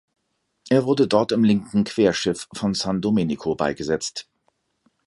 Er wurde dort im linken Querschiff von San Domenico beigesetzt.